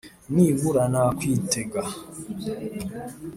nibura nakwitega